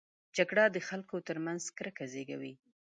جګړه د خلکو ترمنځ کرکه زېږوي